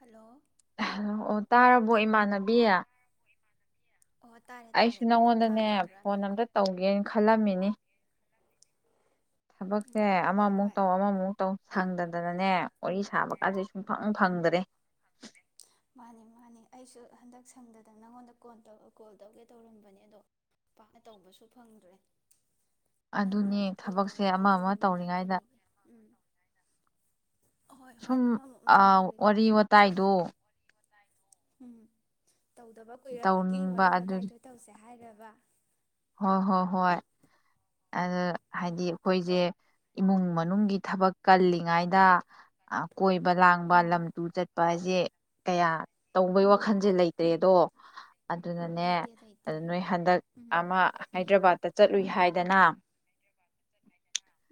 Hello ꯑꯣ ꯇꯥꯔꯕꯣ ꯏꯃꯥꯟꯅꯕꯤ ꯑꯣ ꯇꯥꯔꯦ ꯑꯩꯁꯨ ꯇꯥꯔꯦ ꯑꯩꯗꯤ ꯅꯉꯣꯟꯗꯅꯦ ꯐꯣꯟ ꯇꯥꯗ꯭ꯔꯕ꯭ꯔꯅ ꯑꯃꯇ ꯇꯧꯒꯦꯅ ꯈꯜꯂꯝꯃꯤꯅꯤ ꯎꯝ ꯊꯕꯛꯁꯦ ꯎꯝ ꯍꯣꯏ ꯑꯃꯃꯨꯛ ꯍꯣꯏ ꯇꯧ ꯑꯃꯃꯨꯛ ꯇꯧ ꯁꯪꯗ ꯗꯅꯅꯦ ꯋꯥꯔꯤ ꯁꯥꯕꯀꯥꯁꯦ ꯁꯨꯡꯐꯪ ꯐꯪꯗꯔꯦ ꯃꯥꯅꯦ ꯃꯥꯅꯦ ꯑꯩꯁꯨ ꯍꯟꯇꯛ ꯁꯪꯗꯗꯅ ꯅꯉꯣꯟꯗ ꯀꯣꯜꯇꯧꯔꯧ ꯀꯣꯜ ꯇꯧꯒꯦ ꯇꯧꯔꯝꯕꯅꯦ ꯑꯗꯣ ꯄꯥꯛꯅ ꯇꯧꯕꯁꯨ ꯐꯪꯗ꯭ꯔꯦ ꯅꯪꯅ ꯑꯗꯨꯅꯦ ꯀꯣꯜ ꯊꯕꯛꯁꯦ ꯇꯧꯔꯛꯀꯦ ꯑꯃ ꯑꯃ ꯇꯧꫪꯝꯃꯤꯅ ꯇꯧꯔꯤꯉꯩꯗ ꯀꯔꯤꯒꯤ ꯎꯝ ꯑꯍꯣꯏ ꯍꯣꯏ ꯁꯨꯝ ꯑꯃꯃꯨꯛ ꯑꯃꯃꯨꯛ ꯑꯥꯍ ꯋꯥꯔꯤ ꯇꯧꯔꯤꯀꯥꯟꯗ ꯑꯗꯨꯝ ꯋꯥꯇꯥꯏꯗꯣ ꯎꯝ ꯇꯧꯗꯕꯥ ꯀꯨꯏꯔꯕꯒꯤ ꯇꯧꯅꯤꯡꯕ ꯋꯥꯔꯤ ꯋꯥꯇꯥꯏꯗꯣ ꯇꯧꯖꯤ ꯍꯥꯏꯔꯣ ꯕ ꯍꯣꯍꯣꯍꯣꯢ ꯑꯗ ꯎꯝ ꯍꯥꯢꯗꯤ ꯑꯩꯈꯣꯢꯖꯦ ꯏꯃꯨꯡ ꯃꯅꯨꯡꯒꯤ ꯊꯕꯛ ꯀꯥꯜꯂꯤꯉꯩꯗꯥ ꯀꯣꯏꯕꯥ ꯂꯥꯡꯕꯥ ꯎꯝ ꯂꯥꯝ ꯇꯨꯝ ꯆꯥꯠꯄꯥ ꯌꯦ ꯀꯌꯥ ꯇꯧꯕꯩ ꯎꯝ ꯋꯥꯈꯥꯟꯖꯦ ꯂꯩꯇ꯭ꯔꯦꯗꯣ ꯑꯗꯨꯅꯥꯅꯦ ꯂꯩꯇꯦ ꯂꯩꯇꯦ ꯅꯣꯏ ꯍꯟꯗꯛ ꯎꯝ ꯃꯥ ꯍꯥꯏꯗ꯭ꯔꯥꯕꯥꯗ ꯇꯥ ꯆꯥꯠꯂꯨꯏ ꯍꯥꯏꯗꯥꯅꯥ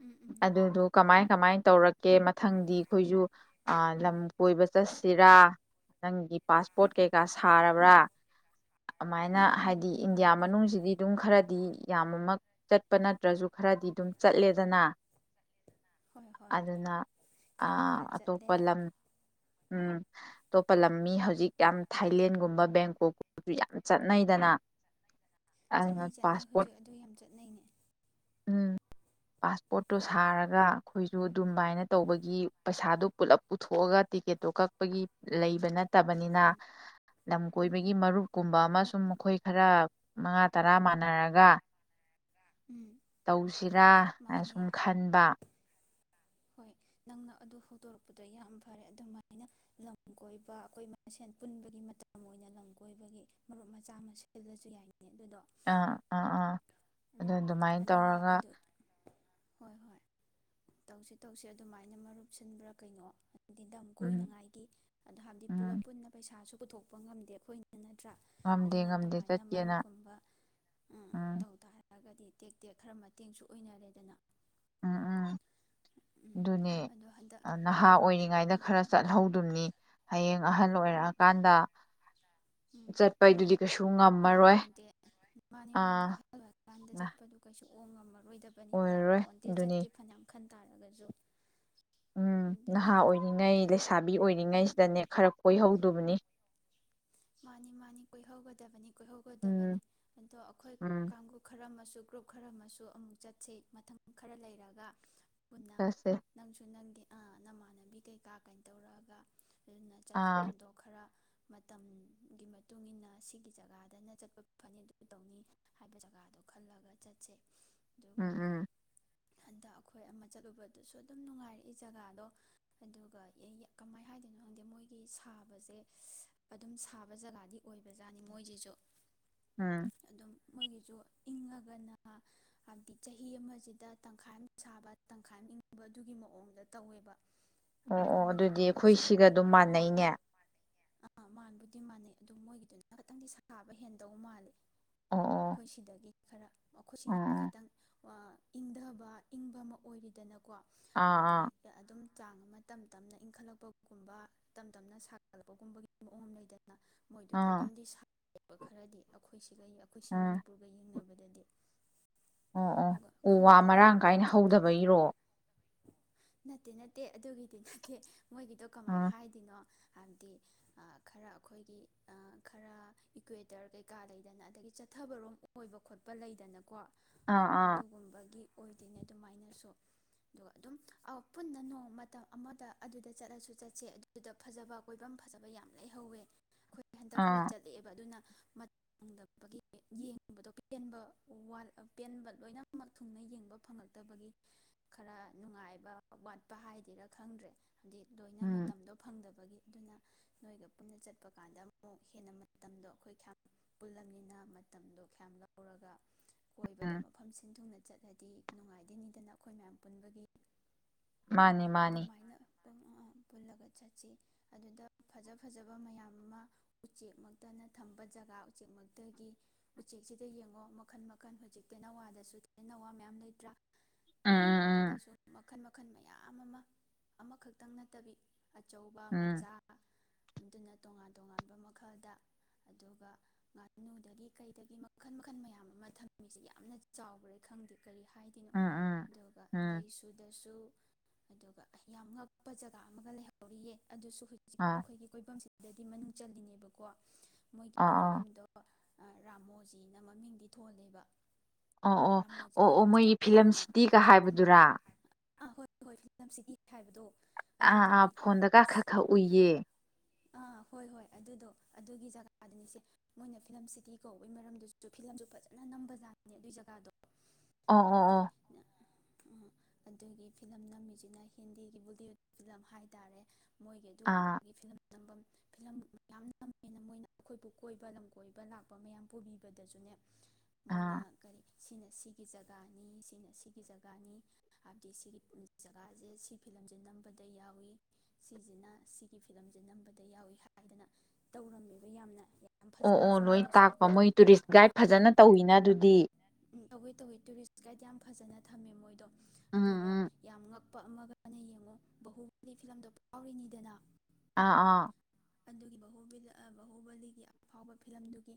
ꯎꯝ ꯎꯝ ꯑꯗꯨꯗꯨ ꯀꯃꯥꯢ ꯀꯥꯃꯥꯏ ꯇꯧꯔꯛꯀꯦ ꯃꯊꯪꯗꯤ ꯑꯩꯈꯣꯏꯖꯨ ꯑ ꯂꯥꯝ ꯀꯣꯏꯕꯥ ꯆꯥꯠꯁꯤꯔꯥ ꯅꯪꯒꯤ ꯄꯥꯁ꯭ꯄꯣꯔꯠ ꯀꯩꯀꯥ ꯁꯥꯔꯕ꯭ꯔꯥ ꯑꯃꯥꯏꯅꯥ ꯎꯝ ꯍꯥꯏꯗꯤ ꯏꯟꯗꯤꯌꯥ ꯃꯥꯅꯤ ꯃꯅꯨꯡꯖꯤꯗꯤ ꯈꯔꯥꯗꯤ ꯌꯥꯝꯃꯃꯥꯛ ꯆꯥꯠꯄꯥ ꯅꯇ꯭ꯔꯥꯖꯨ ꯈꯔꯥꯗꯤ ꯆꯥꯠꯂꯦꯗꯥꯅꯥ ꯍꯣꯏ ꯍꯣꯏ ꯑꯗꯨꯅꯥ ꯈꯔ ꯑꯥ ꯈꯔ ꯆꯠꯂꯦ ꯑꯇꯣꯄꯥ ꯂꯥꯝ ꯎꯝ ꯑꯇꯣꯄꯥ ꯂꯥꯝ ꯃꯤ ꯍꯧꯖꯤꯛ ꯌꯥꯝ ꯊꯥꯏꯂꯦꯟ꯭ꯗ ꯒꯨꯝꯕꯥ ꯕꯦꯡꯛꯀꯣꯛ ꯀꯨꯝꯕꯥꯖꯨ ꯌꯥꯝ ꯆꯥꯠꯅꯩꯗꯥꯅꯥ ꯆꯥꯠꯅꯩ ꯆꯥꯠꯅꯩ ꯍꯨꯖꯤꯛ ꯑꯗꯨ ꯌꯥꯝ ꯆꯥꯠꯅꯩꯅꯦ ꯎꯡ ꯄꯥꯁ꯭ꯄꯣꯔꯠ ꯇꯣ ꯁꯥꯔꯒꯥ ꯑꯩꯈꯣꯏꯖꯨ ꯑꯗꯨꯃꯥꯏꯅꯥ ꯇꯧꯕꯒꯤ ꯄꯩꯁꯥꯗꯨ ꯄꯨꯂꯥꯞ ꯄꯨꯊꯣꯛꯑꯒꯥ ꯇꯤꯀꯦꯠ ꯇꯣ ꯀꯥꯛꯄꯒꯤ ꯂꯩꯕꯥ ꯅꯠ ꯇꯥꯕꯅꯤꯅꯥ ꯎꯝ ꯂꯥꯝ ꯎꯝ ꯀꯣꯏꯕꯒꯤ ꯎꯝ ꯃꯔꯨꯞꯀꯨꯝꯕꯥꯃꯥ ꯎꯝ ꯈꯔ ꯃꯉꯥ ꯇꯔꯥ ꯃꯥꯟꯅꯔꯒ ꯎꯝ ꯇꯧꯁꯤꯔ ꯍꯥꯏꯅ ꯃꯥꯅꯦ ꯁꯨꯝ ꯈꯟꯕ ꯍꯣꯏ ꯅꯪꯅ ꯑꯗꯨ ꯍꯧꯗꯣꯔꯛꯄꯗꯨ ꯌꯥꯝ ꯐꯔꯦ ꯑꯗꯨꯃꯥꯏꯅ ꯂꯝ ꯀꯣꯏꯕ ꯑꯩꯈꯣꯏ ꯃꯁꯦꯟ ꯄꯨꯟꯕꯒꯤ ꯃꯇꯝ ꯑꯣꯏꯅ ꯂꯝ ꯀꯣꯏꯕꯒꯤ ꯃꯔꯨꯞ ꯑꯃ ꯁꯤꯜꯂꯖꯨ ꯌꯥꯏ ꯑ ꯑ ꯑ ꯎꯝ ꯑꯗꯨꯃꯥꯏ ꯑꯗꯨꯒ ꯇꯧꯔꯒ ꯑꯗꯨ ꯍꯣꯏ ꯍꯣꯏ ꯇꯧꯁꯤ ꯇꯧꯁꯤ ꯑꯗꯨꯃꯥꯏꯅ ꯃꯔꯨꯞ ꯁꯤꯟꯕ ꯂꯝ ꯎꯝ ꯀꯣꯏꯅꯉꯥꯏꯒꯤ ꯑꯗꯨ ꯍꯥꯏꯕꯗꯤ ꯄꯨꯂꯞ ꯎꯝ ꯄꯨꯟꯅ ꯃꯩꯁꯥꯖꯨ ꯄꯨꯊꯣꯛꯄ ꯉꯝꯗꯦ ꯅꯠꯇ꯭ꯔ ꯉꯝꯗꯦ ꯑꯗꯨꯅ ꯉꯝꯗꯦ ꯑꯗꯨꯃꯥꯏꯅ ꯆꯠꯀꯦꯅ ꯃꯔꯨꯞ ꯀꯨꯝꯕ ꯎꯝ ꯇꯧꯇꯥꯔꯒꯗꯤ ꯇꯦꯛꯇꯦꯛ ꯈꯔ ꯃꯇꯦꯡꯖꯨ ꯑꯣꯏꯅꯔꯦ ꯗꯅ ꯎꯝ ꯎꯝ ꯗꯨꯅꯦ ꯑꯗꯣ ꯍꯟꯗꯛ ꯅꯍꯥ ꯎꯝ ꯑꯣꯏꯔꯤ ꯉꯩꯗ ꯈꯔ ꯆꯠꯍꯧꯗꯧꯅꯦ ꯍꯌꯦꯡ ꯑꯍꯟ ꯑꯣꯏꯔꯛꯑ ꯀꯥꯟꯗ ꯎꯝ ꯆꯠꯄꯗꯨꯗꯤ ꯀꯩꯁꯨ ꯉꯝꯃꯔꯣꯏ ꯌꯥꯄꯣꯟꯇꯦ ꯑ ꯉꯝꯃꯔꯣꯏ ꯗꯕꯅꯤ ꯌꯥꯄꯣꯟꯇꯦ ꯑꯗꯨꯅꯤ ꯆꯠꯀꯦ ꯐꯅꯌꯥꯝ ꯈꯜ ꯇꯥꯔꯒꯖꯨ ꯎꯝ ꯅꯍꯥ ꯑꯣꯏꯔꯤꯉꯩ ꯂꯩꯁꯥꯕꯤ ꯑꯣꯏꯔꯤꯉꯩ ꯎꯝ ꯁꯤꯗ ꯈꯔ ꯀꯣꯏꯍꯧ ꯗꯧꯕꯅꯤ ꯃꯅꯤ ꯃꯅꯤ ꯀꯣꯏꯍꯧꯒꯗꯧꯕꯅꯤ ꯀꯣꯏꯍꯧꯒꯗꯕꯅꯤ ꯎꯝ ꯑꯗꯣ ꯑꯩꯈꯣꯏ ꯎꯝ ꯀꯥꯡꯒꯨ ꯈꯔ ꯃꯁꯨ ꯈꯔꯃꯁꯨ ꯑꯃꯨꯛ ꯆꯠꯁꯦ ꯃꯇꯝ ꯈꯔ ꯂꯩꯔꯒ ꯄꯨꯟꯅ ꯆꯠꯁꯦ ꯅꯪꯁꯨ ꯅꯪꯒꯤ ꯅꯃꯥꯟꯅꯕꯤ ꯀꯩꯀꯥ ꯀꯩꯗꯧꯔꯛꯑꯒ ꯑꯗꯨꯅ ꯑꯥ ꯆꯠꯐꯝꯗꯣ ꯈꯔ ꯃꯇꯝ ꯒꯤ ꯃꯇꯨꯡ ꯏꯟꯅ ꯁꯤꯒꯤ ꯖꯒꯥꯗꯅ ꯆꯠꯄ ꯐꯅꯤ ꯑꯗꯨ ꯇꯧꯅꯤ ꯍꯥꯏꯕ ꯖꯒꯥꯗꯣ ꯈꯜꯂꯒ ꯆꯠꯁꯦ ꯎꯝ ꯑꯗꯨꯒ ꯎꯝ ꯍꯟꯗꯛ ꯑꯩꯈꯣꯏ ꯑꯃ ꯆꯠꯂꯨꯕ ꯗꯨꯁꯨ ꯑꯗꯨꯝ ꯅꯨꯉꯥꯏꯔꯛ ꯏ ꯖꯥꯒꯥꯗꯣ ꯒꯗꯨꯒ ꯀꯃꯥꯏ ꯍꯥꯏꯗꯣꯏꯅꯣ ꯈꯪꯗꯦ ꯃꯣꯏꯒꯤ ꯁꯥꯕꯖꯦ ꯑꯗꯨꯝ ꯁꯥꯕ ꯖꯥꯒ ꯗꯤ ꯑꯣꯏꯕ ꯖꯥꯠꯅꯤ ꯃꯣꯏꯖꯤꯖꯨ ꯎꯝ ꯃꯣꯏꯒꯤꯖꯨ ꯏꯪꯉꯒꯅ ꯆꯍꯤ ꯑꯃꯖꯤꯗ ꯇꯪꯈꯥꯏ ꯑꯃ ꯁꯥꯕ ꯇꯪꯈꯥꯏ ꯑꯃ ꯏꯪꯕ ꯑꯗꯨꯒꯤ ꯃꯑꯣꯡꯗ ꯇꯧꯋꯦꯕ ꯑꯣ ꯑꯩꯈꯣꯏ ꯑꯣ ꯑꯗꯨꯗꯤ ꯃꯅꯤꯄꯨꯔꯗ ꯑꯩꯈꯣꯏ ꯁꯤꯒ ꯁꯥꯔꯤꯕ ꯗꯨꯝ ꯃꯥꯅꯩꯅꯦ ꯃꯥꯅꯩ ꯑꯗꯣ ꯃꯣꯏꯒꯤꯗꯨꯅ ꯈꯤꯇꯪꯗꯤ ꯁꯥꯕ ꯍꯦꯟꯗꯧ ꯃꯥꯜꯂꯦ ꯑꯣ ꯑꯣ ꯑꯈꯣꯏ ꯁꯤꯗꯒꯤ ꯈꯔ ꯑꯈꯣꯏꯁꯤꯅ ꯑꯥ ꯈꯩꯇꯪ ꯑꯑ ꯏꯙꯕ ꯏꯪꯕꯃ ꯑꯣꯏꯔꯤꯗꯅ ꯀꯣ ꯍꯥꯏꯕꯗꯤ ꯑꯥ ꯑꯥ ꯑꯗꯨꯝ ꯆꯥꯡ ꯑꯃ ꯇꯞ ꯇꯞꯅ ꯏꯪꯈꯠꯂꯛꯄ ꯒꯨꯝꯕ ꯇꯞꯇꯞꯅ ꯁꯥꯚꯠꯂꯛꯄ ꯒꯨꯝꯕꯒꯤ ꯃꯋꯣꯡ ꯑꯃ ꯂꯩꯗꯅ ꯃꯣꯏꯗꯨꯗꯤ ꯑꯥ ꯑꯗꯨꯝꯗꯤ ꯁꯥꯏ [inaudible] ꯑꯗꯩ ꯑꯩꯈꯣꯏ ꯁꯤ ꯑꯥ ꯃꯅꯤ ꯄꯨꯔ ꯒ ꯌꯦꯡꯅꯕꯗ [unintelligible] ꯎ ꯋꯥ ꯃꯔꯥꯪ ꯀꯥꯏꯟ ꯍꯧꯗꯕꯩꯔꯣ ꯅꯥꯇꯦ ꯅꯥꯇꯦ ꯑꯗꯨꯒꯤꯗꯤ ꯅꯥꯇꯦ ꯃꯣꯏꯒꯤꯗꯨ ꯀꯃꯥ ꯑꯥ ꯍꯥꯏꯗꯣꯏꯅꯣ ꯍꯥꯏꯗꯤ ꯈꯔꯥ ꯑꯥꯈꯣꯏꯒꯤ ꯑꯥ ꯈꯔꯥ ꯏꯒꯋꯦꯇꯔ ꯀꯩ ꯀꯥ ꯂꯩꯗꯥꯅ ꯑꯥꯗꯥꯒꯤ ꯆꯠꯕ ꯔꯣꯝ ꯑꯣꯏꯕ ꯈꯣꯠꯄ ꯂꯩꯗꯅꯥ ꯑꯥ ꯑꯥ ꯑꯗꯨꯒꯨꯝꯕꯒꯤ ꯑꯣꯏꯗꯦꯅꯦ ꯑꯗꯨꯃꯥꯏꯅꯥꯁꯨ ꯑꯗꯨꯒ ꯑꯥꯗꯨꯝ ꯑꯥ ꯄꯨꯟꯅ ꯅꯣꯡꯃ ꯃꯇꯥꯃ ꯑꯃꯗ ꯑꯗꯨꯗ ꯆꯇꯂꯥꯁꯨ ꯆꯠꯁꯦ ꯑꯗꯨꯗ ꯐꯥꯖꯕ ꯀꯣꯏꯕꯥꯝ ꯐꯖꯕ ꯀꯧꯕꯥꯝ ꯐꯖꯕ ꯌꯥꯝ ꯂꯩꯍꯧꯏ ꯑꯥꯈꯣꯏꯗꯤ ꯍꯟꯗꯛ ꯈꯔꯥ ꯑꯥ ꯆꯠꯂꯥꯀꯥꯕ ꯃꯠ [unintelligible] ꯌꯦꯡꯕ ꯄꯦꯟꯕꯥ ꯋꯥꯠꯜ ꯄꯦꯟꯕꯥ ꯂꯣꯏꯅꯃꯛ ꯊꯨꯡꯅ ꯌꯦꯡꯕ ꯐꯉꯛꯇꯕꯒꯤ ꯈꯔꯥ ꯅꯨꯪꯉꯥꯏꯕ ꯋ꯭ꯠꯄ ꯍꯥꯏꯗꯣꯏꯔ ꯈꯪꯗꯔꯦ ꯗꯤ ꯂꯣꯏꯅ ꯎꯝ ꯃꯥꯇꯝꯗꯣ ꯐꯡꯗꯕꯒꯤ ꯑꯗꯨꯅ ꯅꯣꯏꯒ ꯄꯨꯟꯅ ꯆꯠ ꯄꯀꯟꯗ ꯑꯃꯨꯛ ꯍꯦꯟꯅꯥ ꯃꯌꯥꯝꯗꯣ [unintelligible] ꯄꯨꯜꯂꯃꯤꯟ ꯃꯥꯇꯝꯗꯣ ꯌꯥꯝ ꯂꯧꯔꯒꯥ ꯀꯣꯏꯕꯗ ꯎꯝ ꯃꯐꯝ ꯁꯤꯟ ꯊꯨꯪꯟ ꯆꯠꯂꯗꯤ ꯅꯨꯪꯉꯥꯏ ꯗꯣꯏꯅꯤ ꯗꯥꯟ ꯑꯩꯍꯣꯏ ꯃꯌꯥꯝ ꯄꯨꯟꯕꯒꯤ ꯃꯥꯒꯤ ꯃꯥꯒꯤ ꯄꯨꯂꯥꯒ ꯆꯠꯁꯤ ꯑꯗꯨꯗ ꯐꯖ ꯐꯥꯖꯕ ꯃꯌꯥꯝ ꯑꯃꯥ ꯎꯏꯆꯦꯛ ꯃꯛꯇꯅ ꯊꯝꯕ ꯖꯒ ꯎꯆꯦꯛ ꯃꯛꯇꯒꯤ ꯎꯏꯆꯦꯛꯁꯤꯗ ꯌꯦꯪꯏ ꯃꯈꯟ ꯝꯈꯟ ꯍꯨꯖꯤꯀ ꯇꯦꯅ ꯋꯥꯗꯁꯨ ꯇꯦꯅꯥꯋꯥ ꯃꯌꯥꯝ ꯂꯩꯈꯔꯥ ꯎꯝ ꯎꯝ ꯇꯦꯅꯥꯋ꯭ꯗꯁꯨ ꯃꯥꯈꯟ ꯃꯈꯥꯟ ꯃꯥꯌꯥ ꯑꯃꯥ ꯃꯝ ꯑꯃꯈꯛꯇꯥ ꯅꯥꯇꯥꯕꯤ ꯑꯆꯧꯕ ꯎꯝ ꯃꯆꯥ ꯑꯗꯨꯅ ꯇꯣꯉꯥꯟ ꯇꯣꯉꯥꯟꯕ ꯃꯛꯍꯟꯗ ꯑꯗꯨꯒ ꯉꯥ ꯅꯨꯗꯒꯤ ꯀꯩꯗꯒꯤ ꯃꯛꯍꯟ ꯃꯑꯈꯟ ꯃꯌꯥꯝ ꯑꯃꯥ ꯊꯥꯃ ꯃꯤꯁꯤ ꯌꯥꯝꯅꯥ ꯆꯥꯑꯣꯒꯔꯦ ꯈꯪꯗꯦ ꯀꯔꯤ ꯍꯥꯏꯗꯣꯏꯅꯣ ꯎꯝ ꯎꯝ ꯑꯗꯨꯒ ꯎꯝ ꯎꯝ ꯂꯩꯁꯨꯗꯁꯨ ꯑꯗꯨꯒ ꯌꯥꯝ ꯉꯀꯞ ꯖꯒꯥ ꯑꯃꯒ ꯂꯩꯍꯧꯔꯤꯌꯦ ꯑꯗꯨꯁꯨ ꯍꯧꯖꯤꯛ ꯑꯥ ꯑꯩꯈꯣꯏꯒꯤ ꯀꯣꯌꯕꯥꯝ ꯑꯗꯩꯗꯤ ꯃꯅꯤꯡ ꯆꯥꯡꯒꯤꯅꯦꯕ ꯀꯦ ꯃꯣꯏꯒꯤ ꯑꯥ ꯑꯥ ꯀꯣꯏꯕꯥꯝꯗꯣ ꯑꯥ ꯔ꯭ꯃꯣꯖꯤꯟ ꯃꯃꯤꯡꯗꯤ ꯊꯣꯂꯦꯕ ꯎ ꯎ ꯃꯣꯏ ꯐꯤꯜꯃ ꯀꯤꯇꯤꯒꯥ ꯍꯥꯏꯕꯗꯨꯔꯥ ꯍꯣꯌ ꯐꯤꯜꯃ ꯀꯤꯇꯤ ꯍꯥꯏꯕꯗꯣ ꯑꯥ ꯑꯥ ꯑꯗꯨꯗꯨꯅꯤ ꯐꯣꯟꯗꯒꯥ ꯈꯥ ꯑꯁ ꯈ ꯎꯏꯌꯦ ꯑꯥ ꯍꯣꯏ ꯍꯣꯏ ꯑꯗꯨꯏꯗꯣ ꯑꯗꯨꯒꯤ ꯖꯒꯗꯨꯅꯤ ꯂꯣꯏꯅ ꯐꯤꯜꯃ ꯀꯤꯇꯤ ꯀꯧꯕꯥꯒꯤ ꯃꯔꯝꯗꯨꯁꯨ ꯐꯤꯂꯃꯁꯨ ꯐꯖꯅꯥ ꯅꯝꯒꯔꯥꯖꯠꯅꯤ ꯑꯗꯨꯏ ꯖꯒꯗꯨ ꯑꯣ ꯑꯣ ꯍꯥꯏꯗꯤ ꯑꯣ ꯑꯗꯨꯒꯤ ꯐꯤꯂꯝ ꯅꯝꯃꯤꯁꯤꯅ ꯍꯤꯟꯗꯤꯒꯤ ꯕꯣꯂꯤꯋꯨꯠ ꯐꯤꯂꯝ ꯍꯥꯏ-ꯇꯔꯦ꯫ ꯃꯣꯏꯒꯤ ꯑꯥ ꯑꯗꯨꯒꯨꯝꯕꯒꯤ ꯐꯤꯂꯝ꯫ ꯅꯝꯕꯝ ꯐꯤꯂꯝ ꯃꯌꯥꯝ ꯅꯝꯕꯝ ꯑꯥ [unintelligible] [inaudible] ꯖꯒꯁꯦ ꯁꯤ ꯐꯤꯂꯝꯁꯦ ꯅꯝꯕꯗ ꯌꯥꯎꯏ꯫ꯁꯤꯖꯤꯅꯥ ꯁꯤꯒꯤ ꯐꯤꯂꯝꯁꯦ ꯅꯝꯕꯗ ꯌꯧꯏ ꯍꯥꯏꯗꯅ ꯇꯧꯔꯝꯃꯤꯅꯤ ꯌꯥꯝꯅꯥ꯫ [unintelligible] ꯑꯣ ꯑꯣ ꯂꯣꯏ ꯇꯥꯛꯄ ꯃꯣꯏ ꯇꯨꯔꯤꯁ ꯒꯥꯠ ꯑꯥ ꯑꯥ ꯐꯖꯅꯥ ꯇꯧꯋꯤꯅ ꯑꯗꯨꯗꯤ꯫ ꯇꯧꯋꯦ ꯇꯧꯋꯦ ꯇꯨꯔꯤꯁ ꯒꯥꯠ ꯌꯥꯝ ꯐꯖꯥꯅ ꯊꯝꯃꯦ ꯃꯣꯏꯗꯣ꯫ ꯑꯗꯨꯒ ꯑꯥ ꯌꯥꯝ ꯉꯛ ꯑꯗꯨꯒ ꯑꯃꯅ ꯌꯦꯡꯉꯨ ꯕꯍꯨꯕꯥꯂꯤ ꯐꯤꯂꯝꯗꯣ ꯐꯧꯔꯤꯅꯤꯗꯅ [unintelligible] ꯑꯥ ꯑꯥ ꯑꯗꯨꯒꯤ ꯕꯍꯨꯕꯂꯤ ꯑꯥ ꯕꯍꯨꯕꯂꯤꯒꯤ ꯑꯐꯧꯕ ꯐꯤꯂꯝꯗꯨꯒꯤ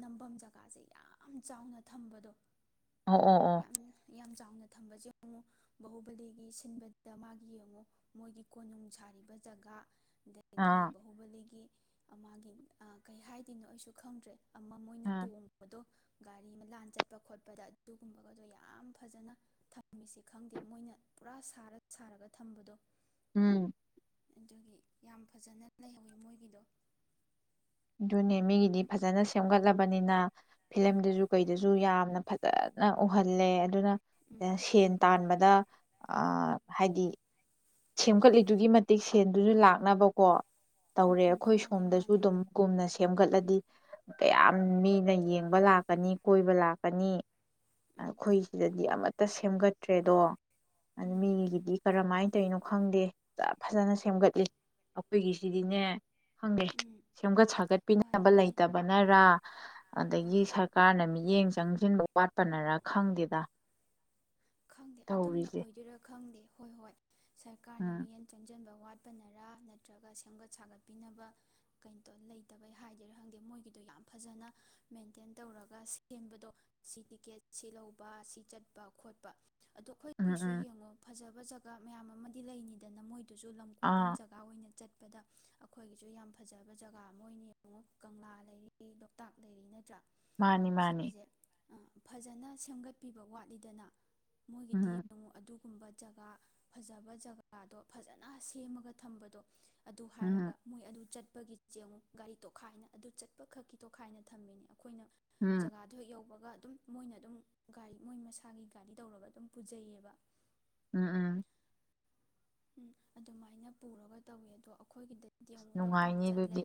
ꯅꯝꯕꯝ ꯖꯒꯁꯦ ꯌꯥꯝ ꯆꯧꯅ ꯊꯝꯕꯗꯣ꯫ ꯑꯣ ꯑꯣ ꯑꯣ ꯌꯥꯝ ꯌꯥꯝ ꯆꯧꯅ ꯊꯝꯕꯁꯦ ꯌꯦꯡꯉꯣ [unintelligible] ꯕꯍꯨꯕꯂꯤꯒꯤ ꯁꯤꯟꯕꯗꯨꯗ ꯃꯒꯤ ꯌꯦꯡꯉꯨ ꯃꯣꯏꯒꯤ ꯀꯣꯅꯨꯡ ꯁꯥꯔꯤꯕ ꯖꯒꯥ꯫ ꯑꯥ ꯑꯗꯒꯤ ꯑꯥ ꯃꯒꯤ ꯑꯥ ꯀꯩ ꯍꯥꯏꯗꯣꯏꯅꯣ ꯑꯩꯁꯨ ꯈꯪꯗ꯭ꯔꯦ ꯑꯃ ꯃꯣꯏꯅ ꯑꯥ ꯇꯣꯡꯕꯗꯣ ꯒꯔꯤ ꯑꯃ ꯂꯥꯟ ꯆꯠꯄꯥꯗ ꯑꯗꯨꯒꯨꯝꯕꯒꯗꯣ ꯌꯥꯝ ꯐꯥꯖꯅ ꯊꯝꯃꯦꯁꯦ [unintelligible] ꯈꯪꯗꯦ ꯃꯣꯏꯅ ꯄꯨꯔꯥ ꯁꯔꯥ ꯁꯔꯥ ꯊꯝꯕꯗꯣ꯫ ꯑꯨꯝ ꯑꯗꯨꯅꯦ ꯌꯥꯝ ꯐꯖꯥꯅ ꯂꯩꯍꯧꯋꯦ ꯃꯣꯏꯒꯤꯗꯣ ꯗꯨꯅꯦ ꯃꯤꯒꯤꯗꯤ ꯐꯥꯖꯅ ꯁꯦꯝꯒꯠꯂꯕꯅꯤꯅꯥ ꯐꯤꯂꯝ ꯎꯝ ꯗꯖꯨ ꯀꯩ ꯗꯖꯨ ꯌꯥꯝꯅ ꯐꯥꯖꯅ ꯎꯍꯜꯂꯦ ꯑꯗꯨꯅ ꯁꯦꯟ ꯇꯥꯟꯕꯗ ꯑꯥ ꯎꯝ ꯍꯥꯏꯗꯤ ꯁꯦꯝꯀꯠꯂꯤꯗꯨꯒꯤ ꯃꯇꯤꯛ ꯁꯦꯟꯗꯨꯖꯨ ꯂꯥꯛꯅꯕ ꯀꯣ ꯎꯝ ꯎꯝ ꯇꯧꯔꯦ ꯎꯝ ꯑꯩꯈꯣꯏ ꯎꯝ ꯃꯥꯅꯦ ꯁꯣꯝꯗꯖꯨ ꯃꯥꯅꯦ ꯗꯨꯝ-ꯀꯨꯝꯅ ꯁꯦꯝꯒꯠꯂꯗꯤ ꯀꯌꯥꯝ ꯃꯤꯅ ꯌꯦꯡꯕꯥ ꯂꯥꯛꯀꯅꯤ ꯀꯣꯏꯕ ꯂꯥꯛꯀꯅꯤ ꯎꯝ ꯑꯩꯈꯣꯏ ꯁꯤꯗꯗꯤ ꯑꯃꯠ ꯁꯦꯝꯒꯠꯇ꯭ꯔꯦꯗꯣ ꯎꯝ ꯃꯤꯒꯤꯗꯤ ꯀꯔꯃꯥꯏ ꯀꯩꯅꯣ ꯈꯪꯗꯦ ꯐꯖꯥ-ꯐꯖꯥꯅ ꯁꯦꯝꯒꯠꯂꯤ ꯑꯩꯈꯣꯏꯒꯤꯁꯤꯗꯤꯅꯦ꯫ ꯈꯪꯗꯦ ꯎꯝ ꯁꯦꯝꯒꯠ ꯃꯥꯅꯦ ꯁꯥꯒꯠꯄꯤꯅꯕ ꯃꯥꯅꯦ ꯂꯩꯇꯕꯅꯔꯥ ꯎꯝ ꯑꯗꯒꯤ ꯁꯔꯀꯥ꯭ꯔꯅ ꯃꯤꯠꯌꯦꯡ ꯆꯪꯖꯟꯕ ꯋꯥꯠꯄꯅꯔꯥ ꯈꯪꯗꯦꯗ ꯈꯪꯗꯦ ꯑꯗꯨꯝꯅ ꯇꯧꯔꯤꯁꯦ ꯑꯣꯏꯗꯣꯏꯔꯥ ꯈꯪꯗꯦ ꯍꯣꯏ ꯍꯣꯏ ꯁ꯭ꯔꯀꯥ꯭ꯔꯅ ꯎꯝ ꯃꯤꯠꯌꯦꯡ ꯆꯪꯖꯟꯕ ꯋꯥꯠ ꯋꯥꯠꯄꯅꯔ ꯅꯠꯇ꯭ꯔꯒ ꯁꯦꯝꯒꯠ ꯁꯥꯒꯠꯄꯤꯅꯕ [unintelligible] ꯂꯩꯇꯕꯩ ꯍꯥꯏꯗꯣꯏꯔ ꯈꯪꯗꯦ ꯃꯣꯏꯒꯤꯗꯣ ꯌꯥꯝ ꯐꯥꯖꯅ ꯃꯦꯟꯇꯦꯟ ꯇꯧꯔꯒ ꯁꯦꯝꯕꯗꯣ ꯁꯤꯒꯤ [unintelligible] ꯁꯤ ꯂꯩꯕ ꯁꯤ ꯆꯠꯄ ꯈꯣꯠ [unintelligible] ꯎꯝ ꯑꯈꯣꯏꯒꯤꯁꯨ ꯎꯝ ꯌꯦꯡꯉꯣ ꯐꯖꯞ [unintelligible] ꯃꯌꯥꯝ ꯑꯃ ꯂꯩꯅꯤꯗꯅ ꯃꯣꯏꯗꯣ ꯗꯨꯖꯨ ꯂꯝ ꯀꯣꯏꯐꯝ ꯑꯥ ꯖꯒꯥ ꯑꯣꯏꯅ ꯆꯠꯄꯗ ꯑꯩꯈꯣꯏꯒꯤ ꯁꯨ ꯌꯥꯝ ꯐꯖꯕ ꯖꯒꯥ ꯑꯃ ꯑꯣꯏꯅ ꯌꯦꯡꯉꯣ ꯀꯪꯂꯥ ꯂꯩꯔꯤ ꯂꯣꯛꯇꯥꯛ ꯂꯩꯔꯤ ꯅꯠꯇ꯭ꯔ꯫ ꯃꯥꯅꯤ ꯃꯥꯅꯤ꯫ ꯐꯖꯅ ꯁꯦꯝꯒꯠꯄꯤꯕ ꯋꯥꯠꯂꯤꯗꯅ꯫ ꯃꯣꯏꯒꯤꯗꯤ ꯎꯝ ꯌꯦꯡꯉꯨ ꯑꯗꯨ ꯖꯒꯥ ꯐꯖꯕ ꯖꯒꯥ ꯗꯣ ꯐꯖꯅ ꯁꯦꯝꯂꯒ ꯊꯝꯕꯗꯣ ꯑꯗꯨ ꯍꯥꯏꯔꯒ ꯎꯝ ꯃꯣꯏ ꯑꯗꯨ ꯆꯠ ꯆꯦꯡꯉꯨ ꯒꯥꯔꯤ ꯇꯣꯈꯥꯏꯅ ꯑꯗꯨ ꯆꯠꯄ ꯈꯛꯀꯤꯥ ꯇꯣꯈꯥꯏꯅ ꯊꯝꯃꯤꯅꯤ꯫ ꯈꯣꯏꯅ ꯎꯝ ꯖꯒꯥꯗꯣ ꯍꯦꯛ ꯌꯧꯕ ꯌꯧꯕꯒ ꯗꯨꯝ ꯃꯣꯏꯅ ꯗꯨꯝ ꯒꯥꯔꯤ ꯃꯣꯏ ꯃꯁꯥꯒꯤ ꯒꯥꯔꯤ ꯇꯧꯔꯒ ꯑꯗꯨꯝ ꯄꯨꯖꯩꯌꯦꯕ꯫ ꯎꯝ ꯎꯝ꯫ ꯎꯝ ꯑꯗꯨꯃꯥꯏꯅ ꯄꯨꯔꯒ ꯇꯧꯋꯤ ꯑꯗꯣ ꯈꯣꯏꯒꯤꯗꯗꯤ ꯃꯨꯛ ꯂꯣꯛꯇꯥꯛ ꯅꯨꯡꯉꯥꯏꯅꯤ ꯆꯠꯂꯦ꯫ ꯑꯗꯨꯗꯤ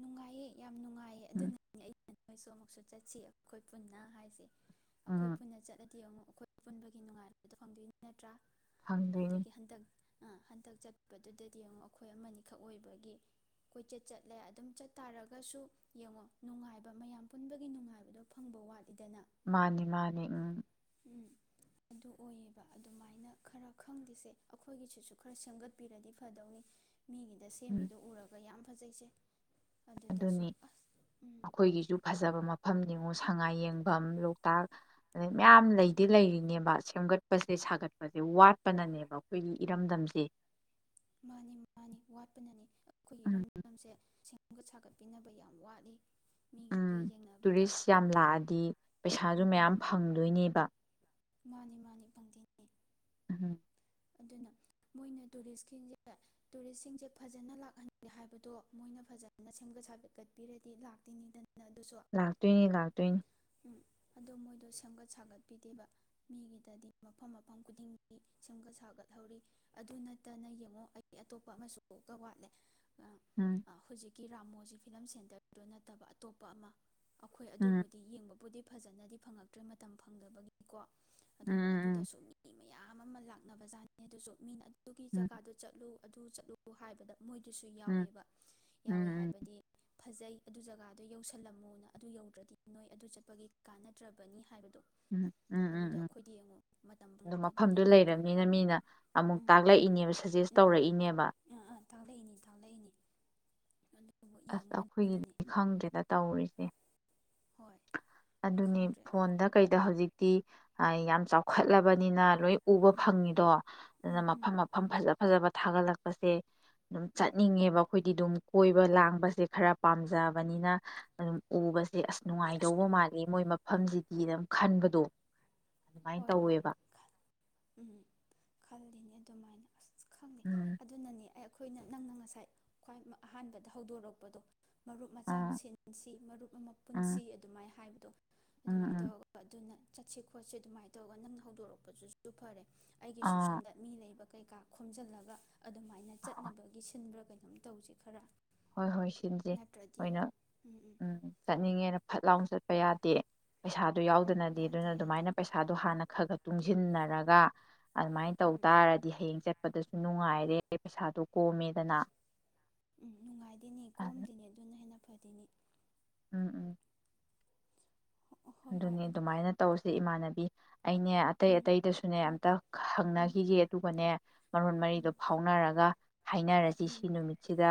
ꯅꯨꯉꯥꯏꯌꯦ ꯌꯥꯝ ꯎꯝ ꯑꯩꯈꯣꯏꯁꯨ ꯑꯃꯨꯛꯁꯨ ꯆꯠꯁꯦ ꯑꯩꯈꯣꯏ ꯄꯨꯟꯅ꯫ ꯑꯩꯈꯣꯏ ꯎꯝ ꯄꯨꯟꯅ ꯆꯠꯂ ꯌꯦꯡꯉꯣ ꯑꯩꯈꯣꯏ ꯄꯨꯟꯕꯒꯤ ꯅꯨꯡꯉꯥꯏꯕꯗꯣ ꯐꯪꯗꯣꯏ ꯅꯠꯇ꯭ꯔ꯫ ꯐꯪꯗꯣꯏꯅꯤ꯫ ꯗꯛ ꯍꯟꯗꯛ ꯆꯠꯄꯗꯨꯗꯗꯤ ꯑꯃꯨꯛ ꯑꯩꯈꯣꯏ ꯑꯃ ꯑꯅꯤꯈꯛ ꯑꯣꯏꯕꯒꯤ ꯀꯣꯏꯆꯠ ꯆꯠꯂꯦ ꯑꯗꯨꯝ ꯆꯠꯇꯥꯔꯒꯁꯨ ꯌꯦꯡꯉꯣ ꯅꯨꯡꯉꯥꯏꯕ ꯃꯌꯥꯝ ꯄꯨꯟꯕꯒꯤ ꯅꯨꯡꯉꯥꯏꯕꯗꯣ ꯐꯪꯕ ꯋꯥꯠꯂꯤꯗꯅ꯫ ꯃꯥꯅꯤ ꯃꯥꯅꯤ ꯎꯝ꯫ ꯎꯝ ꯑꯗꯨꯑꯣꯏꯕ ꯑꯗꯨꯃꯥꯏꯅ ꯈꯔ ꯈꯪꯗꯦꯁꯦ꯫ ꯑꯩꯈꯣꯏꯒꯤꯁꯤꯁꯨ ꯈꯔ ꯁꯦꯝꯒꯠ ꯄꯤꯔꯗꯤ ꯐꯗꯧꯅꯤ꯫ ꯃꯤꯒꯤꯗ ꯎꯝ ꯁꯦꯝꯃꯤꯗꯣ ꯎꯔꯒ ꯌꯥꯝ ꯐꯖꯩꯁꯦ꯫ ꯑꯗꯨꯗꯁꯨ ꯑꯗꯨꯅꯤ ꯑꯁ ꯎꯝ ꯑꯈꯣꯏꯒꯤꯖꯨ ꯐꯖꯕ ꯃꯐꯝ ꯌꯦꯡꯉꯣ ꯁꯉꯥꯏ ꯌꯦꯡꯕꯝ ꯂꯣꯛꯇꯥꯛ ꯑꯗꯩ ꯃꯌꯥꯝ ꯂꯩꯗꯤ ꯂꯩꯔꯤꯅꯤꯕ ꯁꯦꯝꯒꯠꯄꯁꯦ ꯁꯥꯒꯠꯄꯁꯦ ꯋꯥꯠꯄꯅꯅꯦꯕ ꯑꯩꯈꯣꯏ ꯏꯔꯝꯗꯝꯁꯦ꯫ ꯃꯥꯅꯤ ꯃꯥꯅꯤ ꯋꯥꯠꯄꯅꯅꯤ ꯎꯝ ꯕꯤꯅꯕ ꯌꯥꯝ ꯐꯥꯠꯂꯤ ꯎꯝ ꯇꯨꯔꯤꯁ ꯌꯥꯝ ꯂꯥꯛꯑꯗꯤ ꯄꯩꯖꯨ ꯎꯝ ꯃꯌꯥꯝ ꯐꯪꯗꯣꯏꯅꯦꯕ꯫ ꯃꯥꯅꯤ ꯃꯥꯅꯤ ꯐꯪꯗꯦꯅꯦ꯫ ꯎꯍꯝ ꯑꯗꯨꯅ ꯃꯣꯏꯅ ꯇꯨꯔꯤꯁ ꯈꯩꯖꯦ ꯇꯨꯔꯤꯁ ꯁꯤꯡꯖꯦ ꯐꯖꯅ ꯂꯥꯛꯍꯟꯒꯦ ꯍꯥꯏꯕꯗꯣ ꯃꯣꯏꯅ ꯐꯖꯅ ꯁꯦꯝꯒꯠ ꯁꯥꯒꯠꯄꯤꯔꯗꯤ ꯂꯥꯛꯇꯧꯅꯤꯗꯅ꯫ ꯂꯥꯛꯇꯣꯏꯅꯤ ꯂꯥꯛꯇꯣꯏꯅꯤ꯫ ꯑꯗꯨ ꯃꯣꯏꯗꯣ ꯁꯦꯝꯒꯥꯠ ꯁꯥꯒꯥꯠꯄꯤꯗꯦꯕꯥ ꯃꯤꯒꯤꯗꯥꯗꯤ ꯃꯐꯥꯝ ꯃꯐꯥꯝ ꯀꯨꯗꯤꯡꯒꯤ ꯁꯦꯝꯒꯥꯠ ꯁꯥꯒꯥꯠꯍꯧꯔꯤ ꯑꯗꯨꯅꯥꯇꯥꯅꯥ ꯌꯦꯡꯉꯣ ꯑꯇꯣꯄꯥ ꯑꯃꯒꯁꯨ ꯋꯥꯠꯂꯦ ꯎꯝ ꯒꯤ ꯔꯥꯃꯣꯖꯤ ꯐꯤꯜꯝ ꯁꯦꯟꯇꯔ ꯗꯣ ꯅꯠꯇꯕꯥ ꯑꯇꯣꯄꯥ ꯑꯃꯥ ꯑꯩꯈꯣꯏ ꯎꯝ ꯑꯗꯨꯕꯨꯗꯤ ꯌꯦꯡꯕꯥ ꯄꯨꯗꯤ ꯐꯥꯖꯥꯅꯥꯗꯤ ꯐꯪꯜꯑꯛꯇ꯭ꯔꯦ ꯑꯗꯨꯕꯨꯗꯤ ꯃꯇꯥꯝ ꯐꯪꯗꯕꯥꯒꯤꯀꯣ ꯑꯗꯨꯕꯨ ꯎꯝ ꯑꯗꯨꯗꯁꯨ ꯃꯤꯌꯥꯝ ꯑꯃꯥ ꯂꯥꯛꯅꯥꯕꯥꯖꯥꯠꯅꯤ ꯑꯗꯨꯖꯨ ꯃꯤꯅ ꯇꯨꯀꯤ ꯎꯝ ꯖꯀꯥꯇꯨ ꯆꯠꯂꯨ ꯑꯗꯨ ꯆꯠꯂꯨ ꯍꯥꯢꯕꯗ ꯃꯣꯏꯗꯤꯁꯨ ꯎꯝ ꯌꯥꯑꯣꯋꯦꯕꯥ ꯎꯝ ꯌꯥꯋꯦ ꯎꯝ ꯎꯝ ꯍꯥꯏꯕꯥꯗꯤ ꯐꯥꯖꯩ ꯑꯗꯨ ꯖꯥꯒꯥꯗꯣ ꯌꯧꯁꯜꯂꯥꯃꯨꯅꯥ ꯑꯗꯨ ꯌꯧꯗ꯭ꯔꯥꯗꯤ ꯅꯣꯏ ꯑꯗꯨ ꯆꯥꯠꯄꯒꯤ ꯀꯥꯟꯅꯗ꯭ꯔꯥꯕꯥꯅꯤ ꯍꯥꯏꯕꯥꯗꯣ ꯎꯪ ꯑꯗꯨꯗ ꯑꯈꫭꯏꯗꯤ ꯌꯦꯡꯉꯨ ꯃꯇꯝ ꯐꯪꯗꯕꯅꯤꯅ ꯃꯐꯝꯗꯨ ꯑꯗꫭ ꯎꯝ ꯂꯩꯔꯕꯅꯤꯅ ꯃꯤꯅ ꯎꯝ ꯗꯨ ꯑꯃꯨꯛ ꯃꯐꯝꯗꯨ ꯂꯩꯔꯃꯤꯅ ꯇꯥꯛꯂꯛꯏꯅꯦꯕ ꯃꯤꯅ ꯁꯖꯦꯁ ꯑꯃꯨꯛ ꯇꯧꯔꯛꯏꯅꯦꯕ ꯇꯥꯛꯂꯛꯏꯅꯦꯕ ꯁꯖꯦꯁ ꯇꯧꯔꯛꯏꯅꯦꯕ ꯑ ꯑ ꯇꯥꯛꯂꯛꯏꯅꯤ ꯇꯥꯛꯂꯛꯏꯅꯤ ꯑꯗꯨꯕꯨ ꯑꯁ ꯌꯦꯡꯉꯣ ꯑꯗꯨꯅꯅꯤ ꯑꯈꫭꯏꯒꯤꯗꯤ ꯈꯪꯗꯦꯗ ꯇꯧꯔꯤꯁꯦ ꯍꯣꯏ ꯑꯗꯨꯅꯦ ꯈꯪꯗ꯭ꯔꯦ ꯐꫭꯟꯗ ꯀꯩꯗ ꯍꯧꯖꯤꯛ ꯇꯤ ꯌꯥꯝ ꯆꯥꯎꯈꯠꯂꯕꯅꯤꯅ ꯂꫭꯏ ꯎꯕ ꯎꯝ ꯐꯪꯉꯤꯗꫭ ꯗꯨꯅ ꯎꯝ ꯎꯝ ꯃꯐꯝ ꯃꯐꯝ ꯐꯖ ꯐꯖꯕ ꯊꯥꯒꯠꯂꯛꯄꯁꯦ ꯗꯨꯝ ꯎꯝ ꯆꯠꯅꯤꯡꯉꯦꯕ ꯈꫭꯏ ꯗꯤꯗꯨꯝ ꯀꫭꯏꯕ ꯂꯥꯡ ꯕꯁꯦ ꯈꯔ ꯄꯥꯝꯖꯕꯅꯤꯅ ꯑꯗꯨꯝ ꯎꯕ ꯑꯦ ꯑꯁ ꯅꯨꯡꯉꯥꯏꯗꯧꯕ ꯃꯥꯜꯂꯤ ꯃꫭꯏ ꯃꯐ ꯐꯝꯗꯤꯇꯤꯅ ꯑꯃ ꯈꯟꯕꯗꫭ꯫ ꯍꫭꯏ ꯍꫭꯏ ꯎꯝ ꯈꯜꯂꯤꯅꯦ ꯗꯨꯃꯥꯏꯅ [unintelligible] ꯑꯁ ꯈꯪꯗꯦ ꯎꯝ ꯑꯗꯨꯅꯅꯦ ꯑꯦ ꯑꯈꫭꯏꯅ ꯅꯪꯅ ꯉꯁꯥꯏ ꯑꯍꯥꯟꯕꯗ ꯍꯧꯗꫭꯔꯛꯄꯗꫭ ꯃꯔꯨꯞ ꯃꯆꯥꯃ ꯑꯥ ꯁꯤꯟꯁꯤ ꯃꯔꯨꯞ ꯑꯃ ꯄꯨꯟꯁꯤ ꯎꯝ ꯑꯗꯨꯃꯥꯏ ꯍꯥꯏꯕ ꯑꯗꯨꯃꯥꯏ ꯎꯝ ꯎꯝ ꯇꯧꯔꯒ ꯑꯗꯨꯅ ꯆꯠꯁꯤ ꯈꫭꯠꯁꯤ ꯑꯗꯨꯃꯥꯏ ꯇꯧꯔꯒ ꯅꯪꯅ ꯍꯧꯗꫭꯔꯛꯄꯗꯨꯁꯨ ꯐꯔꯦ ꯑꯩꯒꯤꯁꯨ ꯑꯥ ꯁꫭꯝꯗ ꯃꯤ ꯂꯩꯕ ꯀꯩꯀꯥ ꯈꫭꯝꯖꯜꯂꯒ ꯑꯗꯨꯃꯥꯏꯅ ꯍꯣꯏ ꯆꯠꯅꯕꯒꯤ ꯁꯤꯟꯕ꯭ꯔ ꯀꯩꯅꫭꯝ ꯇꯧꯖꯤ ꯈꯔ ꯍꯣꯏ ꯍꯣꯏ ꯁꯣꯟꯖꯦ ꯅꯠꯇ꯭ꯔꯗꯤ ꯑꯣꯏꯅ ꯌꯦꯡꯉꯣ ꯎꯝ ꯆꯠꯅꯤꯡꯉꯦꯅ ꯐꯠ ꯂꯥꯏ ꯆꯠ ꯄꯩꯌꯥꯗꯤ ꯄꯩꯁꯥꯗꯣ ꯎꯝ ꯎꯝ ꯌꯥꯎꯗꯅꯗꯤ ꯌꯥꯗꯦ ꯑꯗꯨꯅ ꯌꯥꯗꯦ ꯑꯗꯨꯃꯥꯏꯅ ꯄꯩꯁꯥꯗꯣ ꯍꯥꯟꯅ ꯈꯥꯒꯠ ꯇꯨꯡꯖꯤꯟꯅꯔꯒ ꯑꯗꯨꯃꯥꯏ ꯎꯝ ꯇꯧꯇꯥꯔꯗꯤ ꯍꯌꯦꯡ ꯆꯠ ꯑꯗꯨꯁꯨ ꯅꯨꯡꯉꯥꯏꯔꯦ ꯄꯩꯁꯥꯗꯣ ꯀꯣꯝꯃꯦꯗꯅ ꯎꯝ ꯅꯨꯡꯉꯥꯏꯗꯣꯏꯅꯦ ꯎꯝ ꯀꯣꯝꯗꯣꯏꯅꯦ ꯑꯗꯨꯅ ꯍꯦꯟꯅ ꯐꯥꯗꯣꯏꯅꯦ ꯎꯝ ꯎꯝ ꯍꯣꯏ ꯍꯣꯏ ꯑꯗꯨꯅꯦ ꯑꯗꯨ ꯑꯗꯨꯃꯥꯏ ꯇꯧꯁꯦ ꯏꯃꯥꯟꯅꯕꯤ ꯑꯩꯅꯦ ꯑꯇꯩ ꯎꯝ ꯑꯇꯩꯗꯁꯨꯅꯦ ꯎꯝ ꯑꯝꯇ ꯎꯝ ꯍꯪꯅꯈꯤꯒꯦ ꯑꯗꯨꯒꯅꯦ ꯃꯔꯣꯜ ꯃꯔꯤꯗꯣ ꯎꯝ ꯐꯥꯎꯅꯔꯒ ꯍꯥꯏꯅꯔꯁꯤ ꯎꯝ ꯁꯤꯅꯨꯃꯤꯠꯁꯤꯗ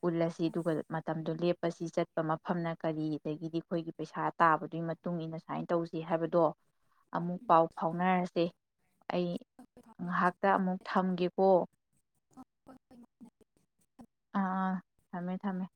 ꯄꯨꯜꯂꯁꯤ ꯑꯥ ꯑꯗꯨꯒ ꯃꯇꯝꯗꯨ ꯂꯦꯞꯄꯁꯤ ꯈꯣꯏ ꯁꯤ ꯆꯠꯄ ꯃꯐꯝꯅ ꯀꯔꯤ ꯑꯗꯒꯤꯗꯤ ꯑꯈꯣꯏꯒꯤ ꯄꯩꯁꯥ ꯇꯥꯕꯒ ꯃꯇꯨꯝ ꯏꯟꯅ ꯁꯨꯝꯃꯥꯏ ꯇꯧꯁꯤ ꯍꯥꯏꯕꯗꯣ ꯑꯃꯨꯛ ꯄꯥꯎ ꯐꯥꯎꯅꯔꯁꯤ ꯑꯩ ꯉꯍꯥꯛꯇ ꯑꯃꯨꯛ ꯊꯝꯒꯦ ꯑꯣ ꯑꯥ ꯑꯥ ꯊꯝꯃꯦ ꯊꯝꯃꯦ